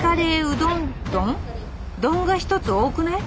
「どん」が一つ多くない？